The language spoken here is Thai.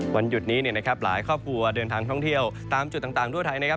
วันหยุดนี้เนี่ยนะครับหลายครอบครัวเดินทางท่องเที่ยวตามจุดต่างทั่วไทยนะครับ